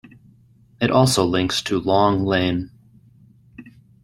It also links to Long Lane.